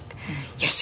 「よし！